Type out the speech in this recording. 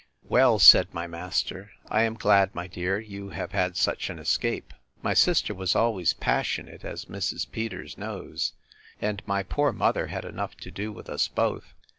Well, said my master, I am glad, my dear, you have had such an escape. My sister was always passionate, as Mrs. Peters knows: And my poor mother had enough to do with us both.